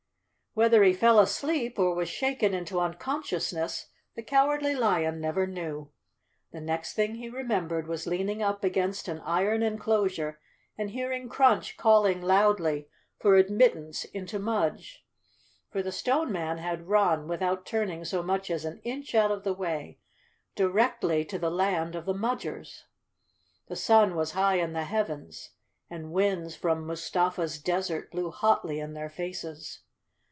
Whether he fell asleep, or was shaken into uncon¬ sciousness, the Cowardly Lion never knew. The next thing he remembered was leaning up against an iron enclosure and hearing Crunch calling loudly for ad The Cowardly Lion of Oz _ mittance into Mudge. For the Stone Man had run, with¬ out turning so much as an inch out of the way, directly to the land of the Mudgers. The sun was high in the Heavens, and winds from Mustafa's desert blew hotly in their faces.